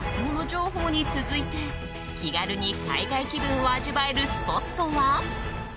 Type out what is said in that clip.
情報に続いて気軽に海外気分を味わえるスポットは。